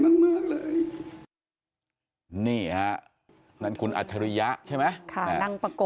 คำที่ท่านแสงเชียราพูดว่า